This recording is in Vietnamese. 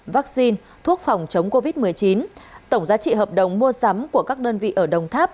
vaccine thuốc phòng chống covid một mươi chín tổng giá trị hợp đồng mua sắm của các đơn vị ở đồng tháp